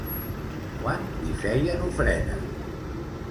Quan hi feien ofrenes?